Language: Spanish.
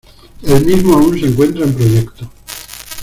El mismo aún se encuentra en proyecto.